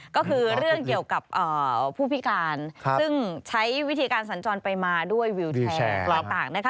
ก็คือเรื่องเกี่ยวกับผู้พิการซึ่งใช้วิธีการสัญจรไปมาด้วยวิวแชร์ลอยตากนะคะ